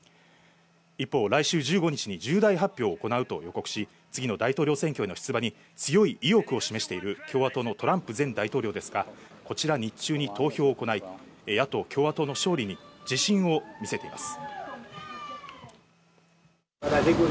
一方、来週１５日に重大発表を行うと告知し、次の大統領選への出馬に強い意欲を示している共和党のトランプ前大統領ですが、こちら日中に投票を行い、野党・共和党の勝利に自信を見せています。